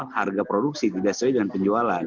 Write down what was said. harga produksi tidak sesuai dengan penjualan